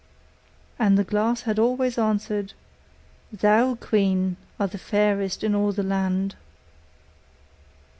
And the glass had always answered: 'Thou, queen, art the fairest in all the land.